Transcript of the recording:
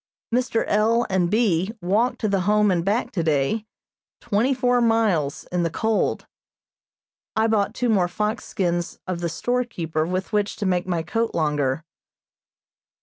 Mr. L. and B. walked to the Home and back today twenty four miles in the cold. I bought two more fox skins of the storekeeper with which to make my coat longer.